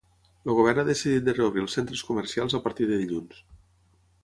El govern ha decidit de reobrir els centres comercials a partir de dilluns.